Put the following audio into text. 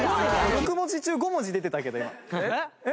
６文字中５文字出てたよ。